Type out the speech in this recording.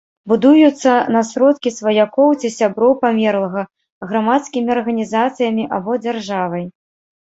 Будуюцца на сродкі сваякоў ці сяброў памерлага, грамадскімі арганізацыямі або дзяржавай.